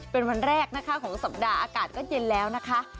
เป็นวันแรกนะคะของสัปดาห์อากาศก็เย็นแล้วนะคะ